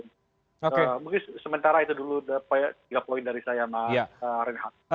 mungkin sementara itu dulu ada poin poin dari saya sama rehan